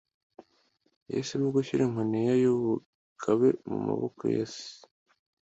Yahisemo gushyira inkoni ye y'ubugabe mu maboko ya Se